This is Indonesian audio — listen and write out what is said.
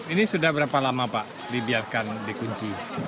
ini sudah berapa lama pak dibiarkan dikunci